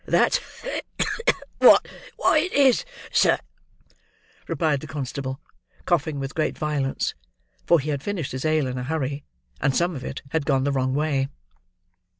"That's what it is, sir," replied the constable, coughing with great violence; for he had finished his ale in a hurry, and some of it had gone the wrong way.